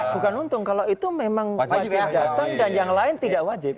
bukan untung kalau itu memang wajib datang dan yang lain tidak wajib